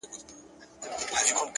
ما پر اوو دنياوو وسپارئ؛ خبر نه وم خو؛